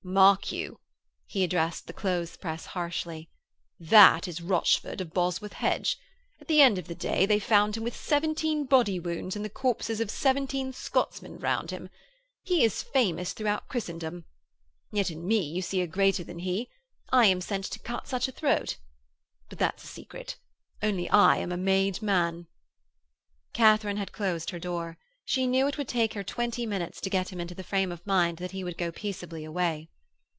'Mark you,' he addressed the clothes press harshly, 'that is Rochford of Bosworth Hedge. At the end of that day they found him with seventeen body wounds and the corpses of seventeen Scotsmen round him. He is famous throughout Christendom. Yet in me you see a greater than he. I am sent to cut such a throat. But that's a secret. Only I am a made man.' Katharine had closed her door. She knew it would take her twenty minutes to get him into the frame of mind that he would go peaceably away.